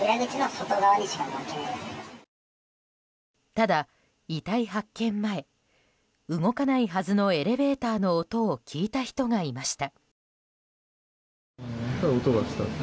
ただ、遺体発見前動かないはずのエレベーターの音を聞いた人がいました。